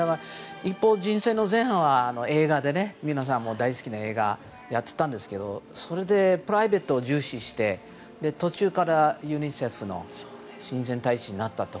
一方、人生の前半は皆さんも大好きな映画をやっていたんですけどそれでプライベートを重視して途中からユニセフの親善大使になったと。